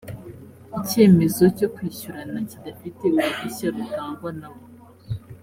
icyemezo cyo kwishyurana kidafite uruhushya rutangwa nabo